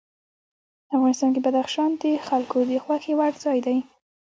افغانستان کې بدخشان د خلکو د خوښې وړ ځای دی.